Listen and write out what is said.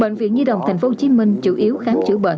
bệnh viện nhi đồng tp hcm chủ yếu khám chữa bệnh